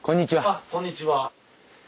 あっこんにちは。